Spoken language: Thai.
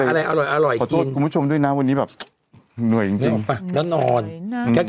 ขอโทษคุณผู้ชมด้วยนะวันนี้แบบเหนื่อยจริง